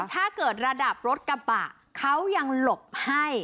ถ้าเกิดระดับรถกระบะเขายังหลบให้